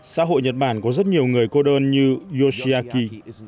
xã hội nhật bản có rất nhiều người cô đơn như yoshiaki